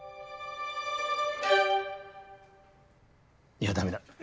いや駄目だ。